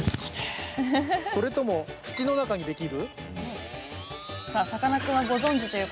それとも土の中にできる？